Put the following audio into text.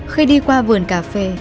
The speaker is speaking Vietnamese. khi đi qua vườn cà phê